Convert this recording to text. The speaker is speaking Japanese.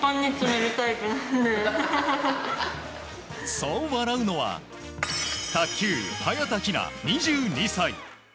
そう笑うのは卓球、早田ひな、２２歳。